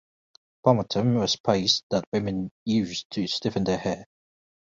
Pomatum was paste that women used to stiffen their hair.